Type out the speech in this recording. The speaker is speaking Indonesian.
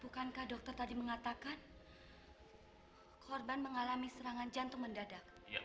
bukankah dokter tadi mengatakan korban mengalami serangan jantung mendadak